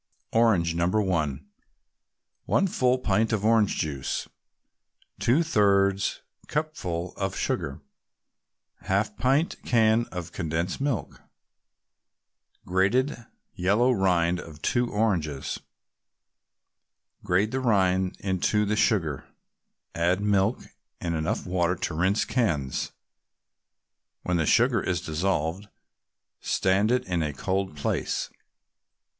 ORANGE, No. 1 1 full pint of orange juice 2/3 cupful of sugar 1/2 pint can of condensed milk Grated yellow rind of two oranges Grate the rinds into the sugar, add milk and enough water to rinse cans. When sugar is dissolved, stand it in a cold place.